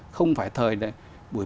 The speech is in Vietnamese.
không phải thời này